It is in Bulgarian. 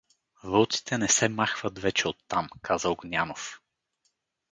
— Вълците не се махват вече оттам — каза Огнянов.